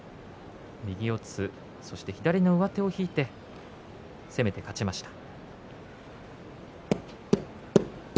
右四つ、そして左の上手を引いて攻めて勝ちました。